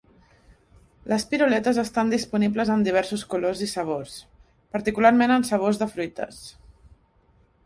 Les piruletes estan disponibles en diversos colors i sabors, particularment en sabors de fruites.